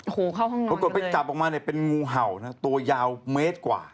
โอ้โหเข้าห้องนอนไปเลยปรากฏว่าเป็นงูเห่าตัวยาวเมตรกว่า